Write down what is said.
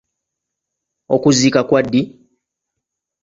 Okuziika kwa ddi?